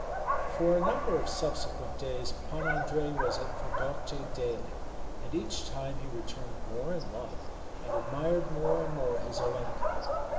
For a number of subsequent days Pan Andrei was at Vodokty daily; and each time he returned more in love, and admired more and more his Olenka.